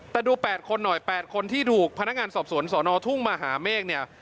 แต่ดู๘คนหน่อย๘คนที่ถูกพนักงานสอบสวนสอนอทุ่งมหาเมฆเนี่ย